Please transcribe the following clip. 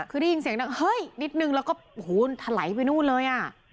คือได้ยินเสียงดังเฮ้ยนิดนึงแล้วก็ถลายไปนู่นเลยอ่ะ